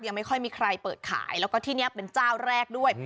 ไม่ค่อยมีใครเปิดขายแล้วก็ที่นี่เป็นเจ้าแรกด้วย